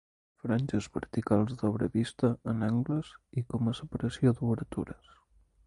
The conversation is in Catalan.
Franges verticals d'obra vista en angles i com a separació d'obertures.